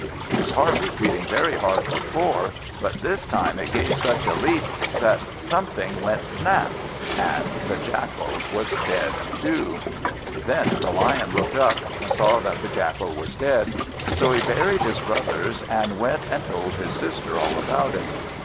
His heart was beating very hard before, but this time it gave such a leap that something went snap! And the Jackal was dead too. Then the Lion looked up, and saw that the Jackal was dead. So he buried his brothers, and went and told his sister all about it.